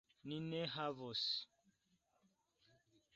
Ni ne havos!